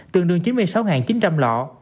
tương đương chín mươi sáu chín trăm linh lọ